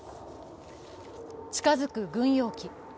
近づく軍用機。